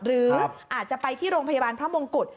หรืออาจจะไปที่โรงพยาบาลพระมงกุฎ